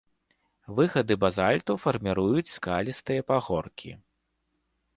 Выхады базальту фарміруюць скалістыя пагоркі.